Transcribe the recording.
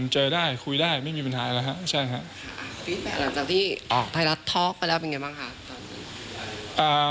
เจอได้กูยได้ไม่มีปัญหาแล้วฮะใช่ฮะ